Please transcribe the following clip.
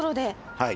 はい。